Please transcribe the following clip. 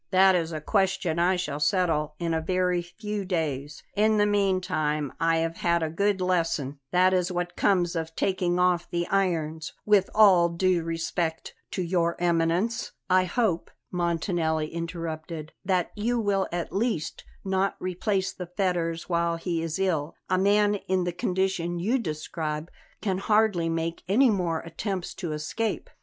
"That is a question I shall settle in a very few days. In the meantime I have had a good lesson. That is what comes of taking off the irons with all due respect to Your Eminence." "I hope," Montanelli interrupted, "that you will at least not replace the fetters while he is ill. A man in the condition you describe can hardly make any more attempts to escape."